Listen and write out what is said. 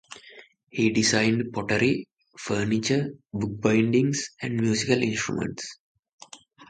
He designed pottery, furniture, book bindings, and musical instruments.